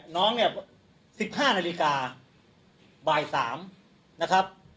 น้องเนี่ย๑๕นาฬิกาบ่าย๓นะครับ